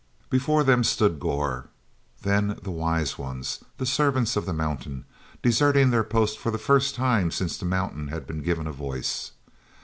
Before them stood Gor, then the Wise Ones, the Servants of the Mountain, deserting their post for the first time since the Mountain had been given a voice.